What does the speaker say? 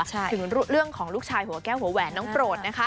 ถึงเรื่องของลูกชายหัวแก้วหัวแหวนน้องโปรดนะคะ